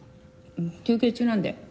休憩中なんで。